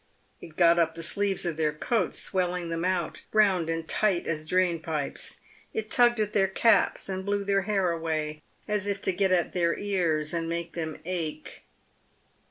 It got up the sleeves of their coats, swelling them out, round and tight as drain pipes ; it tugged at their caps, and blew their hair away as if to get at their ears and make them ache.